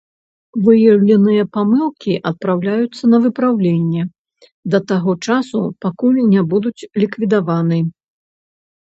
Выяўленыя памылкі адпраўляюцца на выпраўленне да таго часу, пакуль не будуць ліквідаваны.